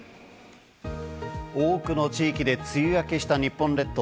多くの地域で梅雨明けした日本列島。